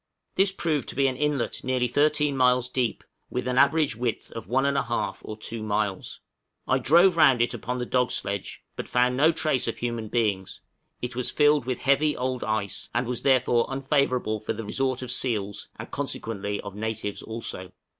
This proved to be an inlet nearly 13 miles deep, with an average width of 1 1/2 or 2 miles; I drove round it upon the dog sledge, but found no trace of human beings; it was filled with heavy old ice, and was therefore unfavorable for the resort of seals, and consequently of natives also.